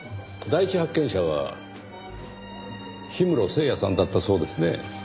第一発見者は氷室聖矢さんだったそうですね。